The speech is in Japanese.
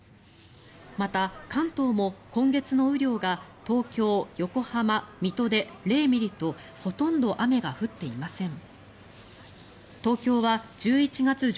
また、関東も今月の雨量が東京、横浜、水戸で０ミリとほとんど雨が降っていません。